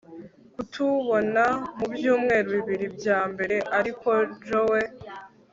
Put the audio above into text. Kutubona mubyumweru bibiri byambere Ariko Joe